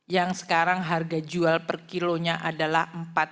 yang sekarang harga jual per kilonya adalah empat